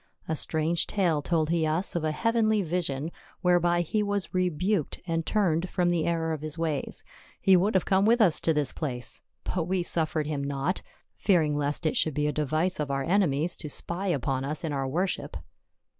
A strange tale told he us of a heavenly vision, whereby he was rebuked and turned from the error of his ways. He would have come with us to this place, but we suf fered him not, fearing lest it should be a device of our enemies to spy upon us in our worship."